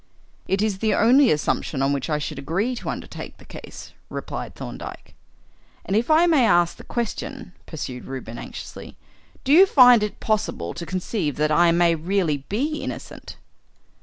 "It is the only assumption on which I should agree to undertake the case," replied Thorndyke. "And if I may ask the question " pursued Reuben anxiously, "do you find it possible to conceive that I may really be innocent?"